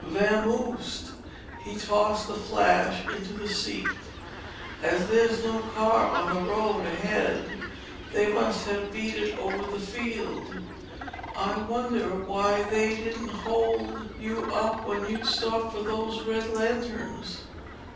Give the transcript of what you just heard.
"Vamoosed!" He tossed the flash onto the seat. "As there's no car on the road ahead they must have beat it over the field. I wonder why they didn't hold you up when you'd stopped for those red lanterns?